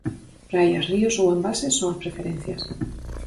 Praias, ríos ou embalses son as preferencias.